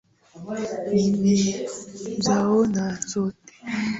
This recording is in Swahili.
Nimezoea joto.